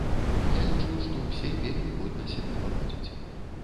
Я лічу, што ўсе вельмі годна сябе паводзяць.